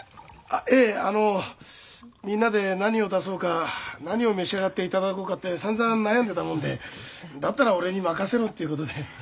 ええあのみんなで何を出そうか何を召し上がっていただこうかってさんざん悩んでたもんでだったら俺に任せろっていうことで。